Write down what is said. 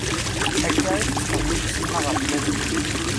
Akka i tettxemmim Sima ɣef Maziɣ.